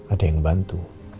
ada yang bantu